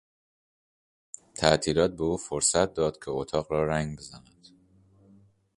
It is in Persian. تعطیلات به او فرصت داد که اتاق را رنگ بزند.